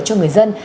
cho người dân